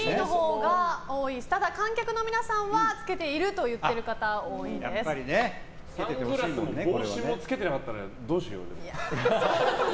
ただ、観客の皆さんはつけていると言っている方がサングラスも帽子もつけてなかったらどうしよう。